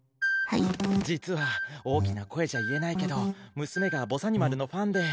実は大きな声じゃ言えないけど娘が、ぼさにまるのファンで。